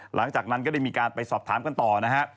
หลังจากนั้นก็ได้มีการไปสอบถามกันต่อนะฮะ